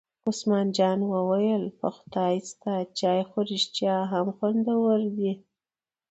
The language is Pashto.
عثمان جان وویل: په خدای ستا چای خو رښتیا هم خوندور دی.